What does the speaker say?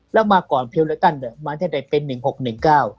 แล้วก็มาก่อนพีโดยตันมาแหละในเราแต่เป็น๑๖๑๙